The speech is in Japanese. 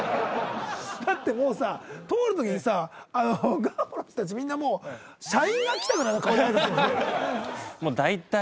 だってもうさ通る時にさガンホーの人たちみんなもう社員が来たぐらいの顔であいさつするもんね。